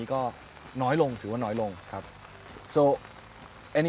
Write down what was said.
คุณต้องเป็นผู้งาน